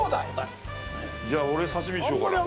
じゃあ、俺、刺身にしようかな、これ。